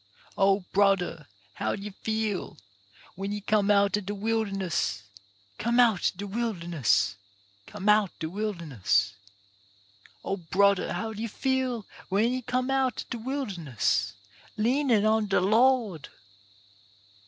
Oh brudder, how d'ye feel, when ye come out de wilderness, Come out de wilderness, Come out de wilderness, Oh, brudder, how d'ye feel, when ye come out de wilderness, Leanin' on de Lord?